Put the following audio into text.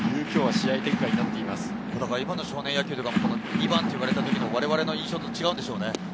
今の少年野球とか、２番って言われた時の僕らの印象とは違うでしょうね。